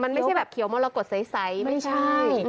มันไม่ใช่แบบเขียวเมาะเรากดไซไม่ใช่